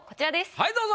はいどうぞ。